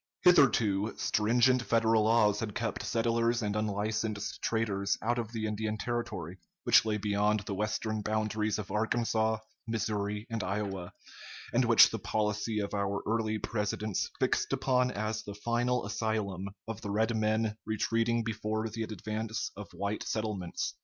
Hitherto, stringent Federal laws had kept settlers and unlicensed traders out of the Indian territory, which lay beyond the western boundaries of Arkansas, Missouri, and Iowa, and which the policy of our early Presidents fixed upon as the final asylum of the red men retreating before the advance of white settlements.